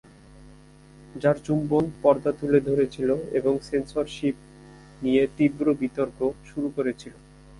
যার চুম্বন পর্দা তুলে ধরেছিল এবং সেন্সরশিপ নিয়ে তীব্র বিতর্ক শুরু করেছিল।